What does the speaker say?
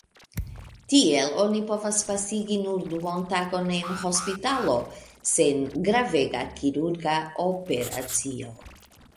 Tiel oni povas pasigi nur duontagon en hospitalo, sen gravega kirurga operacio.